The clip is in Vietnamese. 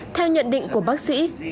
theo nhận định của bác sĩ